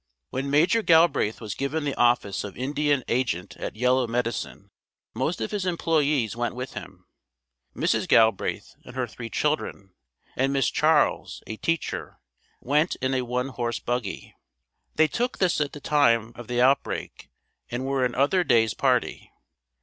When Major Galbraith was given the office of Indian Agent at Yellow Medicine, most of his employees went with him. Mrs. Galbraith and her three children, and Miss Charles, a teacher, went in a one horse buggy. They took this at the time of the outbreak and were in Otherday's party.